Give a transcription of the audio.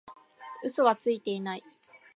嘘はついてない